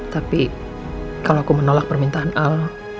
tapi kalau aku menolak permintaan al